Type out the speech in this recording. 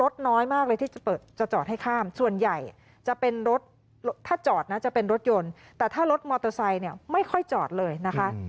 แต่ถ้ารถมอเตอร์ไซด์ไม่ค่อยจอดเลยนะคะ